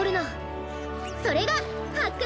それがはっく